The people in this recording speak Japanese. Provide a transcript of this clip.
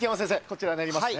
こちらになります